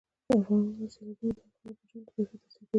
په افغانستان کې سیلابونه د خلکو د ژوند په کیفیت تاثیر کوي.